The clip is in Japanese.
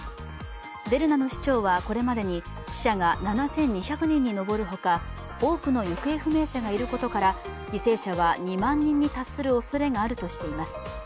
デルナの市長はこれまでに死者が７２００人に上るほか多くの行方不明者がいることから犠牲者は２万人に達するおそれがあるとしています。